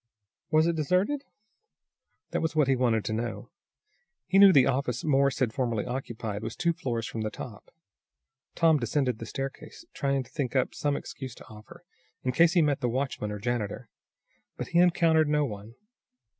Was it deserted? That was what he wanted to know. He knew the office Morse had formerly occupied was two floors from the top. Tom descended the staircase, trying to think up some excuse to offer, in case he met the watchman or janitor. But he encountered no one.